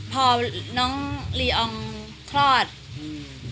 พอน้องลีอองคลอดอืม